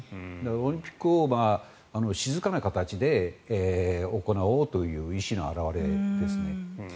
オリンピックを静かな形で行おうという意思の表れですね。